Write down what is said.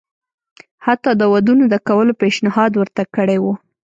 حتی د ودونو د کولو پېشنهاد ورته کړی وو.